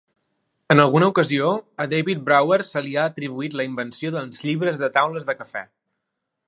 En alguna ocasió, a David Brower se li ha atribuït la invenció dels "llibres de taules de cafè".